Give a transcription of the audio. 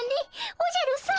おじゃるさま。